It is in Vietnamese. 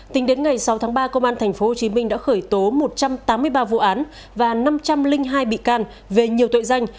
tính đến ngày sáu tháng ba công an tp hcm đã khởi tố một trăm tám mươi ba vụ án và năm trăm linh hai bị can về nhiều tội danh